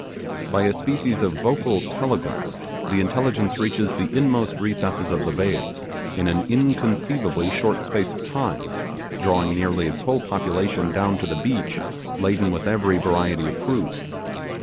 By a species of vocal telegraph the intelligence reaches the inmost recesses of the vale in an inconceivably short space of time, drawing nearly its whole population down to the beach laden with every variety of fruit.